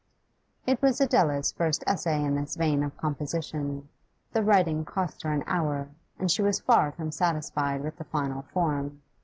It was Adela's first essay in this vein of composition. The writing cost her an hour, and she was far from satisfied with the final form.